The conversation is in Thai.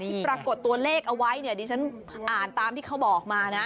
ปรากฏตัวเลขเอาไว้เนี่ยดิฉันอ่านตามที่เขาบอกมานะ